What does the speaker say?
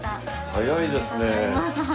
早いですね。